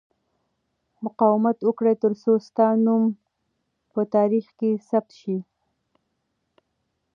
مقاومت وکړه ترڅو ستا نوم په تاریخ کې ثبت شي.